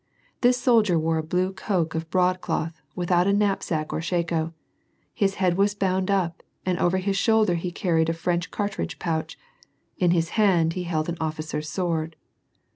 This soldier wore a blue cloak of broadcloth, without knapsack or shako ; his head was br^iund np and over his shoulder he carried a French cartrirlge [Kiuch. In his hand, he held an officer's sword.